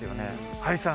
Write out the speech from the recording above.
ハリーさん